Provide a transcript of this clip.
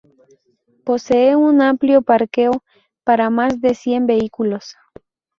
Posee un amplio parqueo para más de cien vehículos.